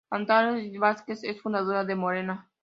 Antares Vázquez es fundadora de Morena.